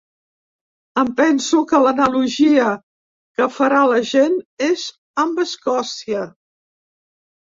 Em penso que l’analogia que farà la gent és amb Escòcia.